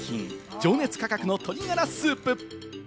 ・情熱価格の鶏がらスープ。